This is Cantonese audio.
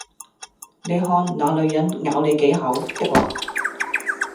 你看那女人「咬你幾口」的話，